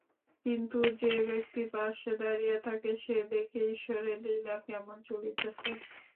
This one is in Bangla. কিন্তু যে ব্যক্তি পার্শ্বে দাঁড়াইয়া থাকে, সে দেখে ঈশ্বরের লীলা কেমন চলিতেছে।